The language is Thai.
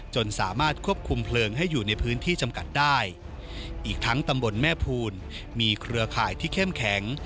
จนสามารถควบคุมเพลิงให้อยู่ในพื้นที่จำกัดได้อีกทั้งตำบลแม่ภูลมีเครือข่ายที่เข้มแข็ง